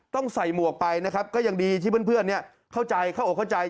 ต้องใส่หมวกไปนะครับก็ยังดีที่เพื่อนเข้าใจเข้าอกเข้าใจ